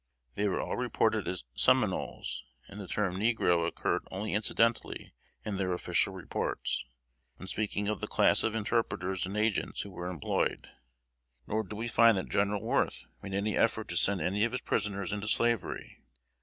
They were all reported as Seminoles, and the term "negro" occurred only incidentally in their official reports, when speaking of the class of interpreters and agents who were employed; nor do we find that General Worth made any effort to send any of his prisoners into slavery.